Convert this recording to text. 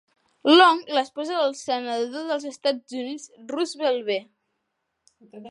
Long, l'esposa del senador dels Estats Units Russell B.